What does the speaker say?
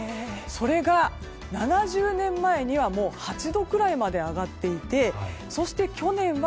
それが７０年前にはもう８度くらいまで上がっていて去年は